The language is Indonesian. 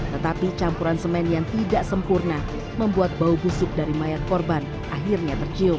tetapi campuran semen yang tidak sempurna membuat bau busuk dari mayat korban akhirnya tercium